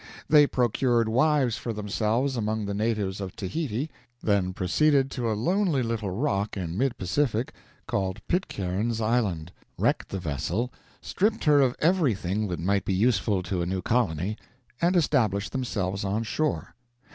They procured wives for themselves among the natives of Tahiti, then proceeded to a lonely little rock in mid Pacific, called Pitcairn's Island, wrecked the vessel, stripped her of everything that might be useful to a new colony, and established themselves on shore.